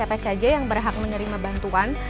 siapa saja yang berhak menerima bantuan